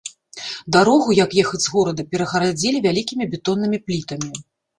Дарогу, як ехаць з горада, перагарадзілі вялікімі бетоннымі плітамі.